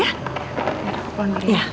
ya aku pulang dulu ya